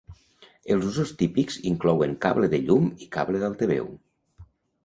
Els usos típics inclouen cable de llum i cable d'altaveu.